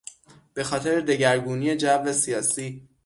به خاطر دگرگونی جو سیاسی